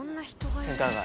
センター街。